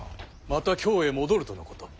また京へ戻るとのこと。